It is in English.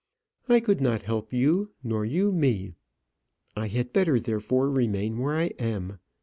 I could not help you, nor you me; I had better, therefore, remain where I am.